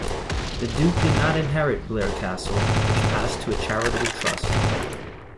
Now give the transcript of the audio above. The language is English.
The Duke did not inherit Blair Castle, which passed to a charitable trust.